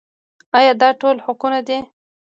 آیا دا ټول حقونه دي؟